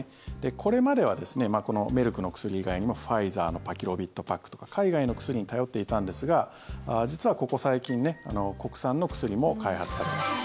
これまではこのメルクの薬以外にもファイザーのパキロビッドパックとか海外の薬に頼っていたんですが実はここ最近国産の薬も開発されました。